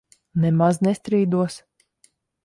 Nemaz nestrīdos.